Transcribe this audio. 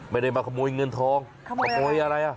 ไม่ได้มาขโมยเงินทองขโมยอะไรอ่ะ